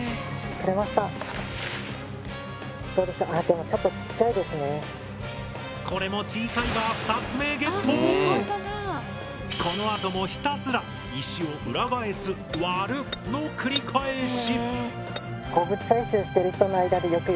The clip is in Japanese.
あっでもこれも小さいがこのあともひたすら「石を裏返す・割る」の繰り返し。